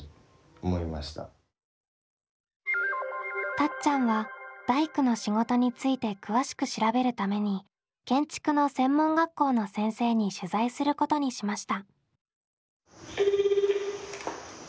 たっちゃんは大工の仕事について詳しく調べるために建築の専門学校の先生に取材することにしました。